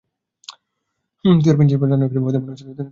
তুই আর ফিঞ্চ যেভাবে টানাটানি করছিস, ওর মনেহচ্ছে দুজনকেই পছন্দ হয়েছে।